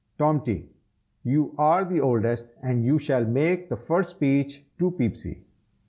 Tomty, you are the oldest, and you shall make the first speech to Peepsy."